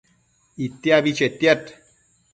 Itiabi chetiad